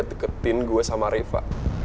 kalo lo mau bantuin gue buat deket dua sama reva